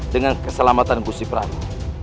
dengan keselamatan kusi prabu